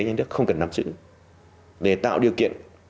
các cái nhà nước không cần nắm sử để tạo điều kiện